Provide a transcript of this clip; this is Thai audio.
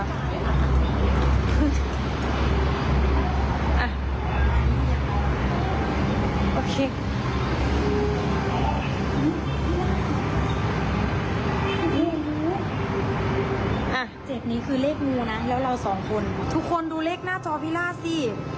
๗นี้คือเลขงูนะแล้วเราสองคนทุกคนดูเลขหน้าจอพิล่าสิ